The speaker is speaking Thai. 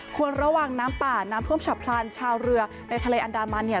ควรระวังน้ำป่าน้ำท่วมฉับพลันชาวเรือในทะเลอันดามันเนี่ย